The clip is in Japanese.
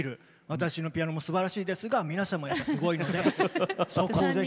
私のピアノもすばらしいですが皆さんもやっぱりすごいのでそこをぜひね。